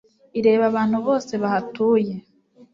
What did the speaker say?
Ireba abantu bose bahatuye